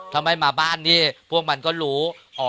ถ้าไม่มาบ้านนี่พวกมันก็รู้